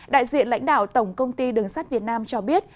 đại diện lãnh đạo tổng công ty đường sắt việt nam cho biết